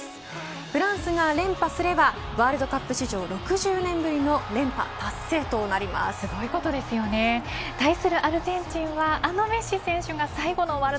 フランスが連覇すればワールドカップ史上６０年ぶりの連覇達成となります。